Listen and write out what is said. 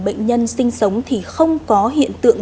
bệnh nhân sinh sống thì không có hiện tượng